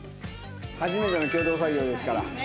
初めての共同作業ですから。